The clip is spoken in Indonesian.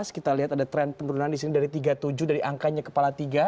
kita lihat ada tren penurunan di sini dari tiga puluh tujuh dari angkanya kepala tiga